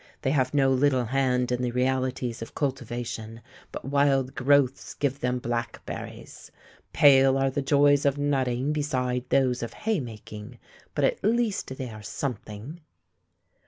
They have no little hand in the realities of cultivation, but wild growths give them blackberries. Pale are the joys of nutting beside those of haymaking, but at least they are something.